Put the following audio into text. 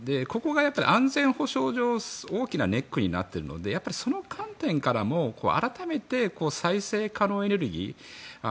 ここが安全保障上大きなネックになっているのでその観点からも改めて再生可能エネルギー